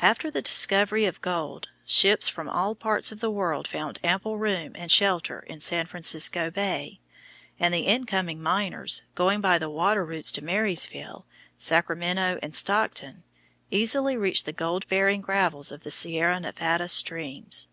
After the discovery of gold, ships from all parts of the world found ample room and shelter in San Francisco Bay; and the incoming miners, going by the water routes to Marysville, Sacramento, and Stockton, easily reached the gold bearing gravels of the Sierra Nevada streams.